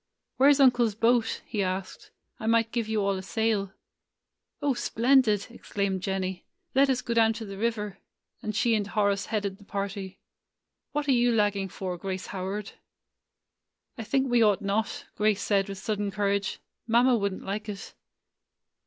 "Where 's uncle's boat?" he asked. "I might give you all a sail." [ 85 ] AN EASTER LILY "O splendid!" exclaimed Jennie. "Let us go down to the river;" and she and Horace headed the party. "What are you lagging for, Grace Howard?" "I think we ought not," Grace said with sudden courage. "Mamma would n't like it."